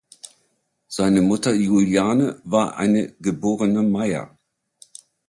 Seine Mutter Juliane war eine geborene Meyer.